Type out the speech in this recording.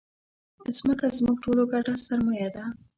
مځکه زموږ ټولو ګډه سرمایه ده.